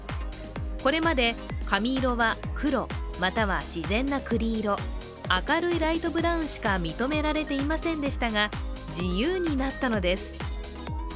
これまで髪色は黒、または自然なくり色、明るいライトブラウンしか認められていませんでしたが自由になったのです。